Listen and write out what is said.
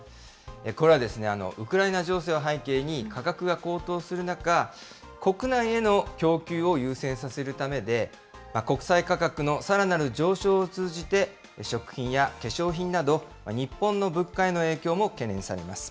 これはですね、ウクライナ情勢を背景に価格が高騰する中、国内への供給を優先させるためで、国際価格のさらなる上昇を通じて、食品や化粧品など日本の物価への影響も懸念されます。